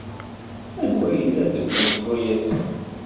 Anwa ay yellan deg umeẓlu ass-a?